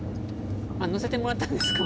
あっ乗せてもらったんですか。